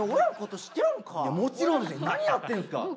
もちろんです何やってるんですか！